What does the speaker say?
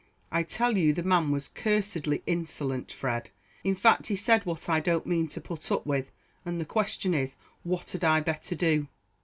I tell you the man was cursedly insolent, Fred; in fact, he said what I don't mean to put up with; and the question is, what had I better do?"